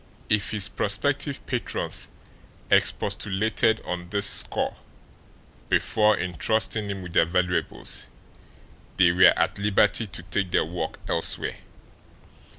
If his prospective patrons expostulated on this score before intrusting him with their valuables, they were at liberty to take their work elsewhere.